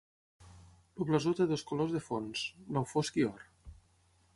El blasó té dos colors de fons: blau fosc i or.